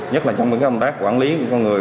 nhất là trong những công tác quản lý của người